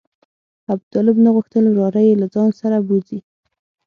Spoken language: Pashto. ابوطالب نه غوښتل وراره یې له ځان سره بوځي.